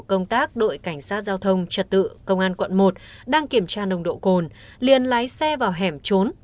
công tác đội cảnh sát giao thông trật tự công an quận một đang kiểm tra nồng độ cồn liền lái xe vào hẻm trốn